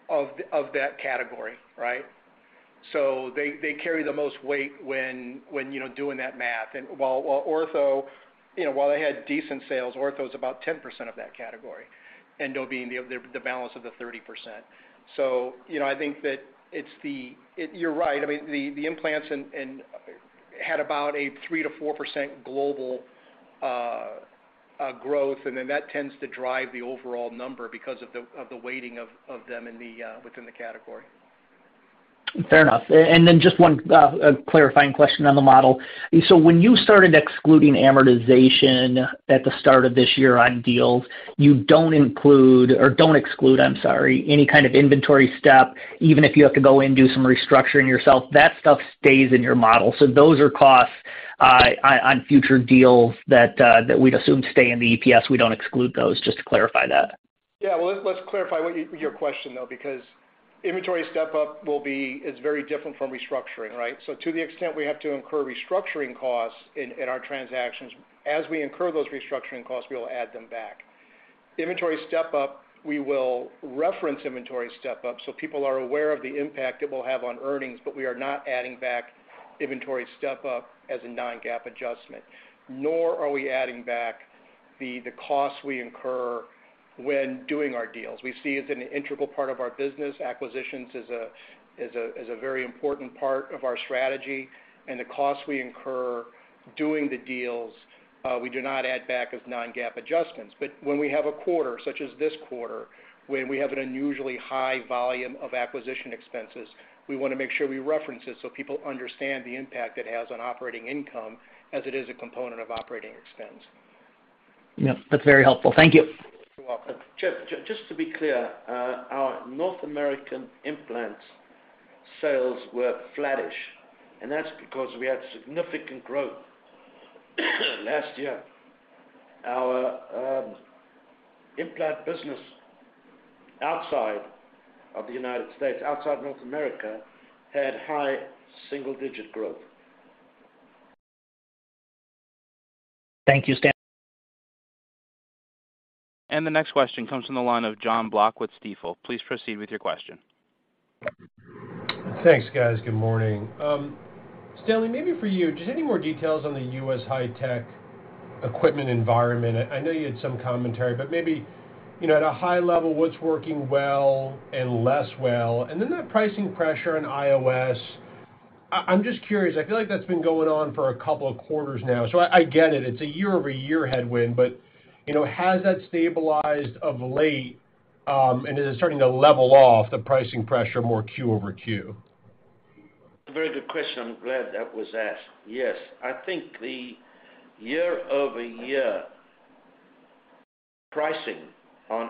of that category, right. They carry the most weight when, you know, doing that math. While Ortho, you know, while they had decent sales, ortho is about 10% of that category. Endo being the balance of the 30%. You know, I think that it's the. You're right. I mean, the implants and had about a 3%-4% global growth, and then that tends to drive the overall number because of the weighting of them within the category. Fair enough. Just one clarifying question on the model. When you started excluding amortization at the start of this year on deals, you don't include or don't exclude, I'm sorry, any kind of inventory step, even if you have to go in, do some restructuring yourself, that stuff stays in your model. Those are costs, on future deals that we'd assume stay in the EPS. We don't exclude those. Just to clarify that. Well, let's clarify what your question, though, because inventory step-up is very different from restructuring, right? To the extent we have to incur restructuring costs in our transactions, as we incur those restructuring costs, we will add them back. Inventory step-up, we will reference inventory step-up, so people are aware of the impact it will have on earnings, but we are not adding back inventory step-up as a non-GAAP adjustment, nor are we adding back the costs we incur when doing our deals. We see it as an integral part of our business. Acquisitions is a very important part of our strategy the costs we incur doing the deals, we do not add back as non-GAAP adjustments. When we have a quarter, such as this quarter, when we have an unusually high volume of acquisition expenses, we wanna make sure we reference it so people understand the impact it has on operating income as it is a component of operating expense. Yeah, that's very helpful. Thank you. You're welcome. Just to be clear, our North American implant sales were flattish, that's because we had significant growth last year. Our implant business outside of the United States, outside North America, had high single-digit growth. Thank you, Stan. The next question comes from the line of Jonathan Block with Stifel. Please proceed with your question. Thanks, guys. Good morning. Stanley, maybe for you, just any more details on the U.S. high tech equipment environment? I know you had some commentary, but maybe, you know, at a high level, what's working well and less well? Then that pricing pressure in iOS, I'm just curious. I feel like that's been going on for a couple of quarters now. I get it. It's a year-over-year headwind, but, you know, has that stabilized of late, and is it starting to level off the pricing pressure more Q-over-Q? A very good question. I'm glad that was asked. Yes. I think the year-over-year pricing on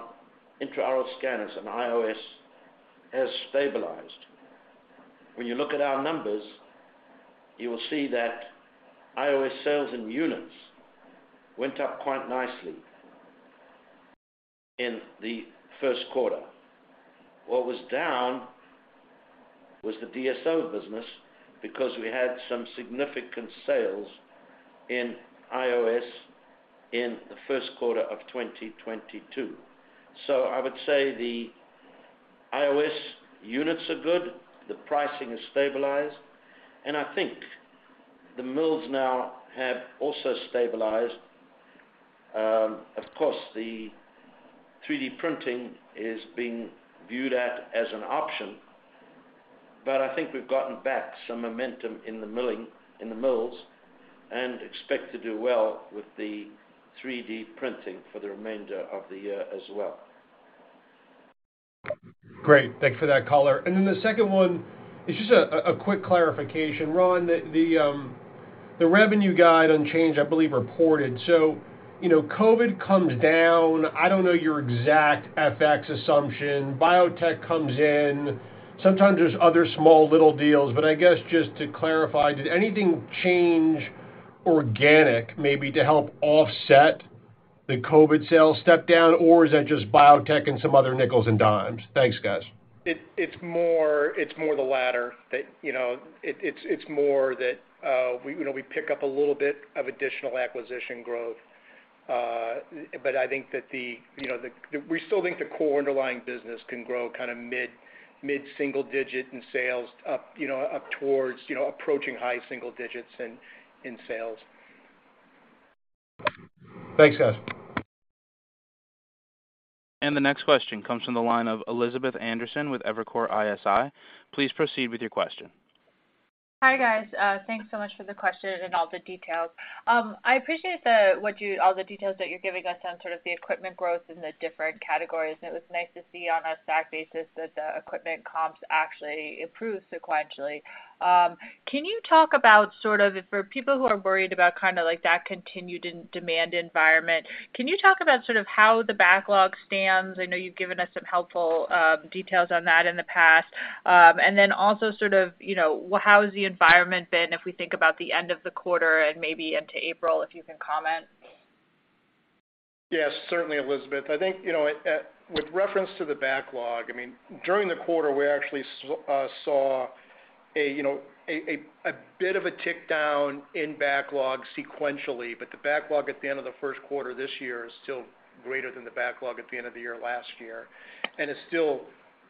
intraoral scanners and iOS has stabilized. When you look at our numbers, you will see that iOS sales in units went up quite nicely in the first quarter. What was down. was the DSO business because we had some significant sales in iOS in the first quarter of 2022. I would say the iOS units are good, the pricing is stabilized, and I think the mills now have also stabilized. Of course, the 3D printing is being viewed at as an option. I think we've gotten back some momentum in the mills, and expect to do well with the 3D printing for the remainder of the year as well. Great. Thanks for that color. The second one is just a quick clarification. Ron, the revenue guide unchanged, I believe, reported. You know, COVID comes down. I don't know your exact FX assumption. Biotech comes in. Sometimes there's other small little deals. I guess just to clarify, did anything change organic maybe to help offset the COVID sales step down, or is that just Biotech and some other nickels and dimes? Thanks, guys. It's more the latter that, you know, it's more that, you know, we pick up a little bit of additional acquisition growth. I think that the, you know, we still think the core underlying business can grow kind of mid-single digit in sales up, you know, up towards, you know, approaching high-single digits in sales. Thanks, guys. The next question comes from the line of Elizabeth Anderson with Evercore ISI. Please proceed with your question. Hi, guys. Thanks so much for the question and all the details. I appreciate all the details that you're giving us on sort of the equipment growth in the different categories, and it was nice to see on a stack basis that the equipment comps actually improved sequentially. Can you talk about sort of for people who are worried about kind of like that continued demand environment, can you talk about sort of how the backlog stands? I know you've given us some helpful details on that in the past. Also sort of, you know, how has the environment been if we think about the end of the quarter and maybe into April, if you can comment? Yes. Certainly, Elizabeth. I think, you know, with reference to the backlog, I mean, during the quarter, we actually saw a bit of a tick down in backlog sequentially, but the backlog at the end of the first quarter this year is still greater than the backlog at the end of the year last year, and is still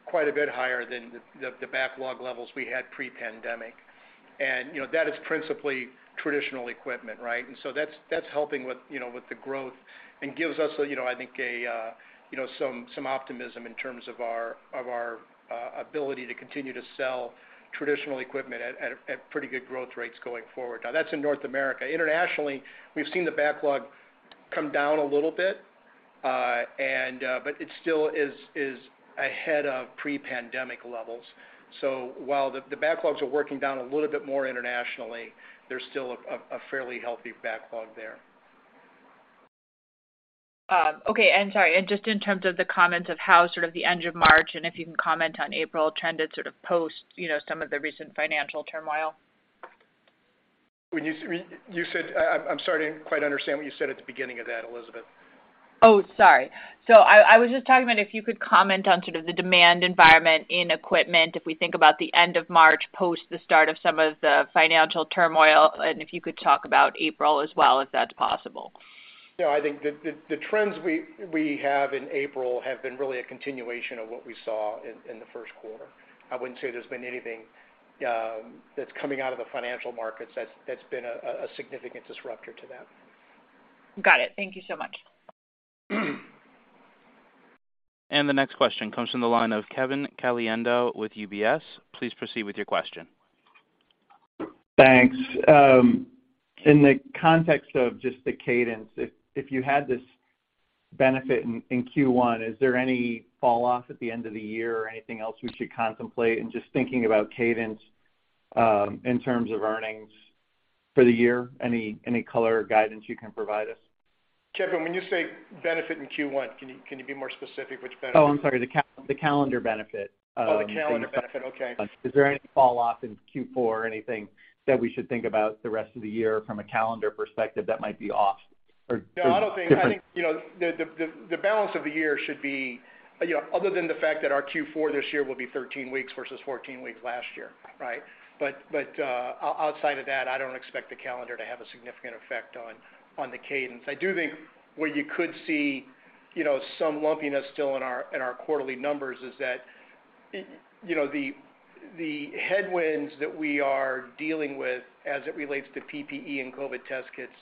quite a bit higher than the backlog levels we had pre-pandemic. You know, that is principally traditional equipment, right? That's, that's helping with, you know, with the growth and gives us a, you know, I think, some optimism in terms of our ability to continue to sell traditional equipment at pretty good growth rates going forward. Now that's in North America. Internationally, we've seen the backlog come down a little bit, and but it still is ahead of pre-pandemic levels. While the backlogs are working down a little bit more internationally, there's still a fairly healthy backlog there. Okay. Sorry, and just in terms of the comments of how sort of the end of March, and if you can comment on April trended sort of post, you know, some of the recent financial turmoil? When you said. I'm sorry, I didn't quite understand what you said at the beginning of that, Elizabeth. Oh, sorry. I was just talking about if you could comment on sort of the demand environment in equipment, if we think about the end of March post the start of some of the financial turmoil, and if you could talk about April as well, if that's possible. No, I think the trends we have in April have been really a continuation of what we saw in the first quarter. I wouldn't say there's been anything that's coming out of the financial markets that's been a significant disruptor to that. Got it. Thank you so much. The next question comes from the line of Kevin Caliendo with UBS. Please proceed with your question. Thanks. In the context of just the cadence, if you had this benefit in Q1, is there any fall off at the end of the year or anything else we should contemplate? Just thinking about cadence, in terms of earnings for the year, any color or guidance you can provide us? Kevin, when you say benefit in Q1, can you be more specific which benefit? Oh, I'm sorry. The calendar benefit. Oh, the calendar benefit. Okay. Is there any fall off in Q4 or anything that we should think about the rest of the year from a calendar perspective that might be off or different? I think, you know, the balance of the year should be, you know, other than the fact that our Q4 this year will be 13 weeks versus 14 weeks last year, right? Outside of that, I don't expect the calendar to have a significant effect on the cadence. I do think where you could see, you know, some lumpiness still in our quarterly numbers is that, you know, the headwinds that we are dealing with as it relates to PPE and COVID test kits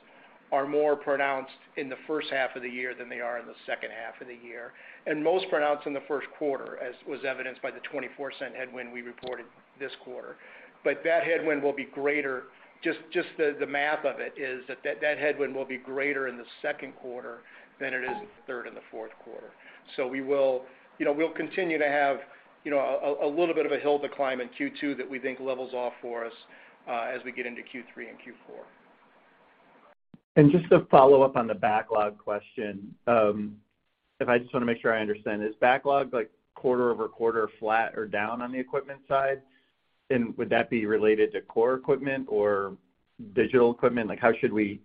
are more pronounced in the first half of the year than they are in the second half of the year, and most pronounced in the first quarter, as was evidenced by the $0.24 headwind we reported this quarter. That headwind will be greater. Just the math of it is that that headwind will be greater in the second quarter than it is in the third and the fourth quarter. We will, you know, we'll continue to have, you know, a little bit of a hill to climb in Q2 that we think levels off for us as we get into Q3 and Q4. Just to follow up on the backlog question, if I just wanna make sure I understand. Is backlog like quarter-over-quarter flat or down on the equipment side? Would that be related to core equipment or digital equipment? Like, how should we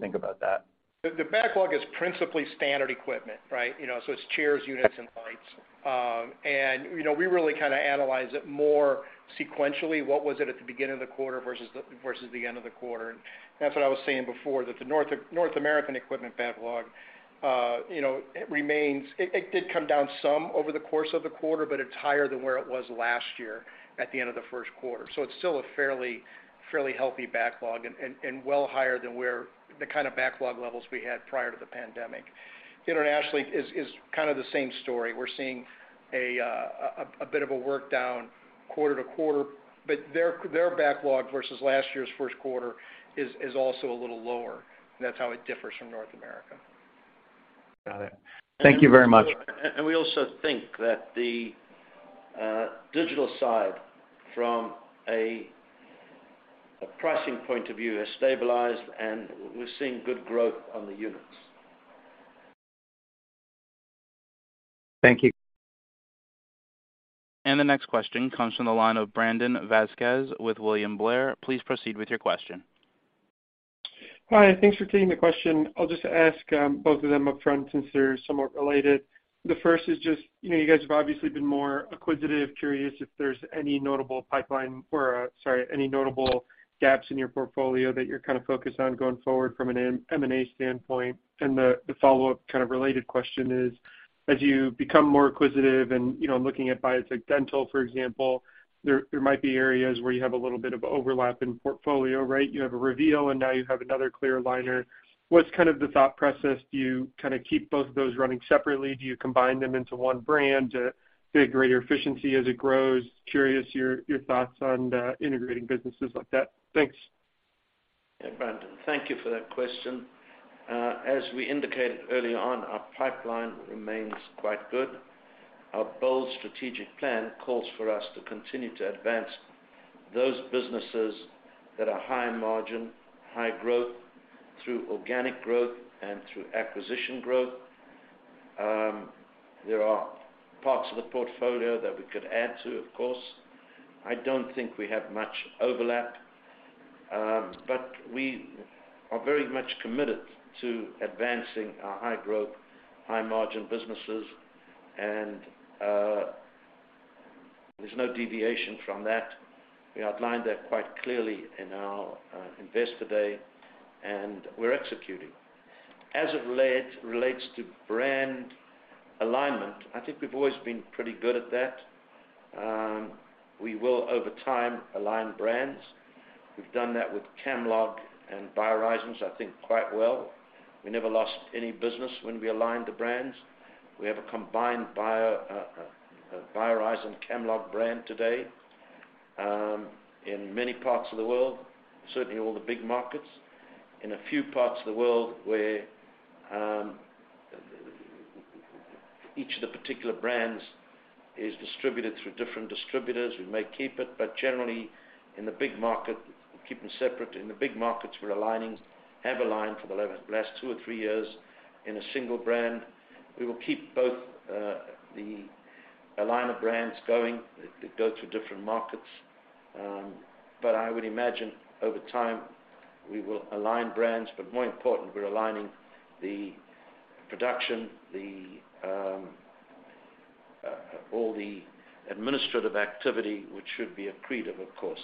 think about that? The backlog is principally standard equipment, right? You know, so it's chairs, units, and lights. And, you know, we really kinda analyze it more sequentially, what was it at the beginning of the quarter versus the end of the quarter. That's what I was saying before, that the North American equipment backlog, you know, it remains. It did come down some over the course of the quarter, but it's higher than where it was last year at the end of the first quarter. It's still a fairly healthy backlog and well higher than where the kind of backlog levels we had prior to the pandemic. Internationally is kind of the same story. We're seeing a bit of a workdown quarter-to-quarter, but their backlog versus last year's first quarter is also a little lower. That's how it differs from North America. Got it. Thank you very much. We also think that the digital side from a pricing point of view has stabilized, and we're seeing good growth on the units. Thank you. The next question comes from the line of Brandon Vazquez with William Blair. Please proceed with your question. Hi, thanks for taking the question. I'll just ask both of them upfront since they're somewhat related. The first is just, you know, you guys have obviously been more acquisitive, curious if there's any notable pipeline or, sorry, any notable gaps in your portfolio that you're kind of focused on going forward from an M&A standpoint. The follow-up kind of related question is, as you become more acquisitive and, you know, looking at Biotech Dental, for example, there might be areas where you have a little bit of overlap in portfolio, right? You have a Reveal, and now you have another clear aligner. What's kind of the thought process? Do you kinda keep both of those running separately? Do you combine them into one brand to get greater efficiency as it grows? Curious your thoughts on integrating businesses like that. Thanks. Brandon, thank you for that question. As we indicated early on, our pipeline remains quite good. Our BOLD+1 Strategic Plan calls for us to continue to advance those businesses that are high margin, high growth through organic growth and through acquisition growth. There are parts of the portfolio that we could add to, of course. I don't think we have much overlap, but we are very much committed to advancing our high-growth, high-margin businesses, and there's no deviation from that. We outlined that quite clearly in our Investor Day, and we're executing. As it relates to brand alignment, I think we've always been pretty good at that. We will, over time, align brands. We've done that with CAMLOG and BioHorizons, I think, quite well. We never lost any business when we aligned the brands. We have a combined BioHorizons/CAMLOG brand today in many parts of the world, certainly all the big markets. In a few parts of the world where each of the particular brands is distributed through different distributors, we may keep it, but generally in the big market, we keep them separate. In the big markets, we're aligning, have aligned for the last two or three years in a single brand. We will keep both the aligner brands going. They go to different markets. I would imagine over time, we will align brands. More important, we're aligning the production, the administrative activity, which should be accretive, of course.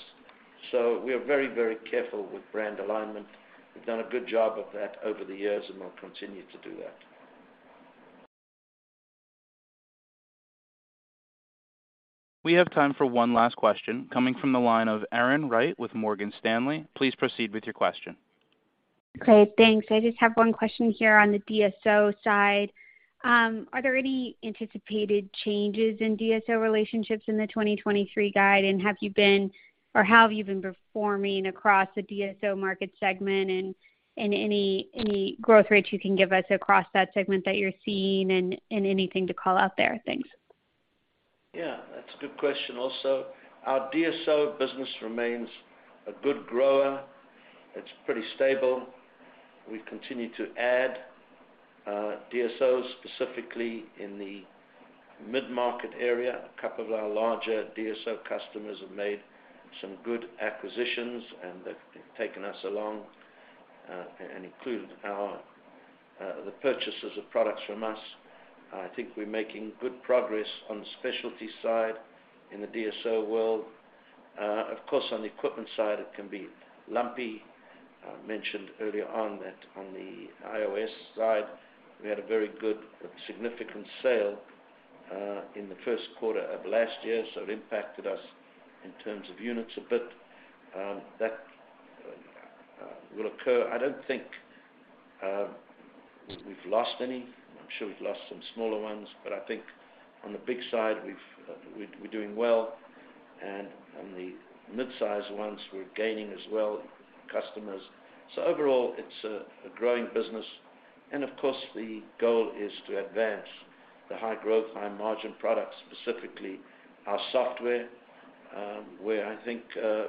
We are very, very careful with brand alignment. We've done a good job of that over the years, and we'll continue to do that. We have time for one last question coming from the line of Erin Wright with Morgan Stanley. Please proceed with your question. Great. Thanks. I just have one question here on the DSO side. Are there any anticipated changes in DSO relationships in the 2023 guide, and how have you been performing across the DSO market segment, and any growth rates you can give us across that segment that you're seeing and anything to call out there? Thanks. Yeah, that's a good question also. Our DSO business remains a good grower. It's pretty stable. We continue to add DSOs, specifically in the mid-market area. A couple of our larger DSO customers have made some good acquisitions, and they've taken us along, and include our the purchases of products from us. I think we're making good progress on the specialty side in the DSO world. Of course, on the equipment side, it can be lumpy. I mentioned earlier on that on the iOS side, we had a very good significant sale in the first quarter of last year, so it impacted us in terms of units a bit. That will occur. I don't think we've lost any. I'm sure we've lost some smaller ones, but I think on the big side, we're doing well. On the mid-sized ones, we're gaining as well, customers. Overall, it's a growing business. Of course, the goal is to advance the high growth, high margin products, specifically our software, where I think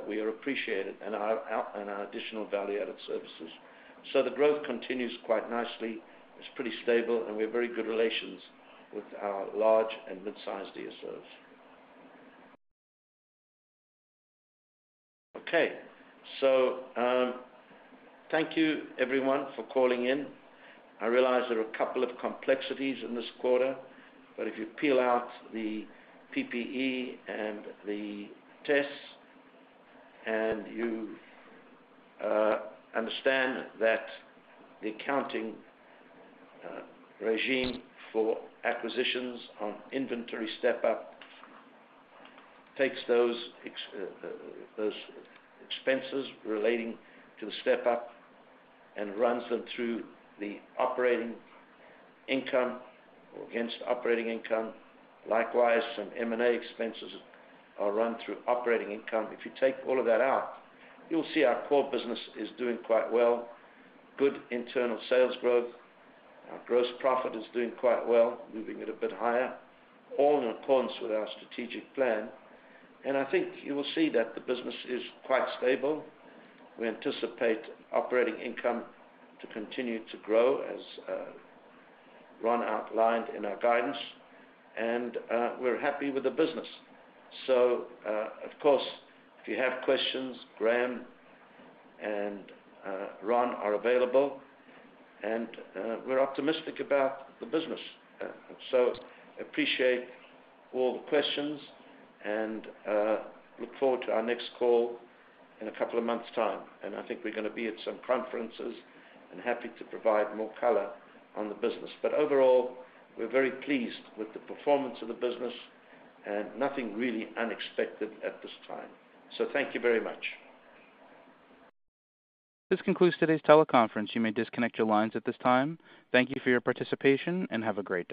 we are appreciated in our additional value-added services. The growth continues quite nicely. It's pretty stable, and we have very good relations with our large and mid-sized DSOs. Thank you everyone for calling in. I realize there are a couple of complexities in this quarter, but if you peel out the PPE and the tests, and you understand that the accounting regime for acquisitions on inventory step up takes those expenses relating to the step-up and runs them through the operating income or against operating income. Likewise, some M&A expenses are run through operating income. If you take all of that out, you'll see our core business is doing quite well. Good internal sales growth. Our gross profit is doing quite well, moving it a bit higher, all in accordance with our strategic plan. I think you will see that the business is quite stable. We anticipate operating income to continue to grow, as Ron outlined in our guidance, and we're happy with the business. Of course, if you have questions, Graham and Ron are available, and we're optimistic about the business. Appreciate all the questions and look forward to our next call in a couple of months time. I think we're gonna be at some conferences and happy to provide more color on the business. Overall, we're very pleased with the performance of the business and nothing really unexpected at this time. Thank you very much. This concludes today's teleconference. You may disconnect your lines at this time. Thank you for your participation, and have a great day.